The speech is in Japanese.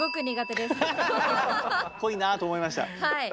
っぽいなと思いました。